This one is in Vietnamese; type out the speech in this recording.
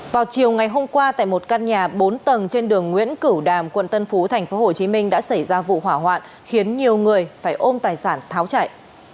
vào chiều ngày hôm qua tại một căn nhà bốn tầng trên đường nguyễn cửu đàm quận tân phú tp hcm đã xảy ra vụ hỏa hoạn khiến nhiều người phải ôm tài sản tháo chạy